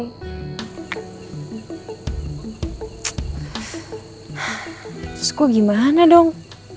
terus gue gimana dong